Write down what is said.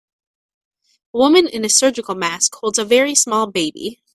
A woman in a surgical mask holds a very small baby.